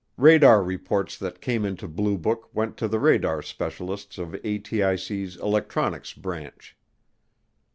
Radar reports that came into Blue Book went to the radar specialists of ATIC's electronics branch.